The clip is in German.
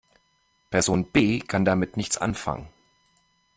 Person B kann damit nichts anfangen.